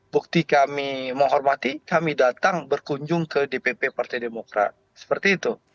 bukti kami menghormati kami datang berkunjung ke dpp partai demokrat seperti itu